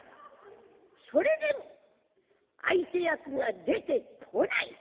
それでも相手役が出てこない。